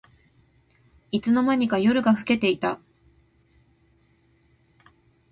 いつの間にか夜が更けていた